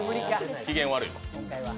機嫌悪い。